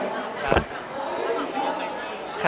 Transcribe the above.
คุณก็มีไปจากทุกปีก็ไหมครับ